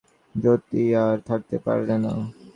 যতী আর থাকতে পারলে না।